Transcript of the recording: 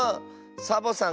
サボさん